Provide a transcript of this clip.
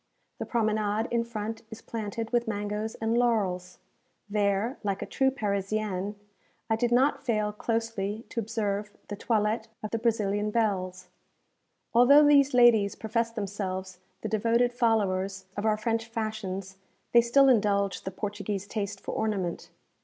The promenade in front is planted with mangoes and laurels. There, like a true Parisienne, I did not fail closely to observe the toilettes of the Brazilian belles. Although these ladies profess themselves the devoted followers of our French fashions, they still indulge the Portuguese taste for ornament.